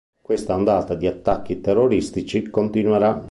Questa ondata di attacchi terroristici continuerà".